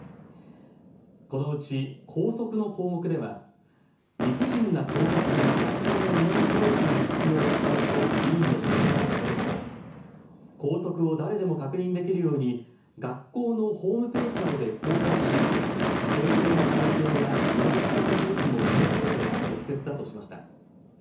このうち校則の項目では理不尽な校則は学校が見直す努力が必要などと委員の指摘があったことから校則を誰でも確認できるように学校のホームページなどで公開し制定の背景や見直しの手続きも示すことが適切だとしました。